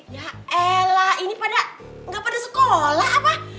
ya elah ini pada gak pada sekolah apa